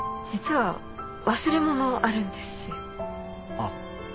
あっ。